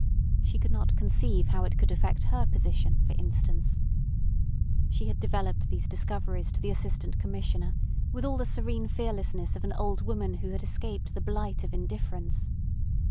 She could not conceive how it could affect her position, for instance. She had developed these discoveries to the Assistant Commissioner with all the serene fearlessness of an old woman who had escaped the blight of indifference.